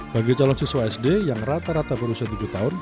bagi calon siswa sd yang rata rata berusia tujuh tahun